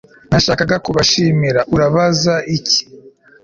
Nashakaga kubashimir Urabaza iki